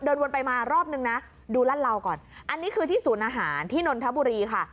วนไปมารอบนึงนะดูรัดเหลาก่อนอันนี้คือที่ศูนย์อาหารที่นนทบุรีค่ะ